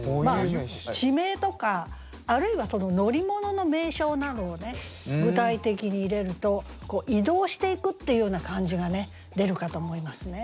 地名とかあるいは乗り物の名称などを具体的に入れると移動していくっていうような感じが出るかと思いますね。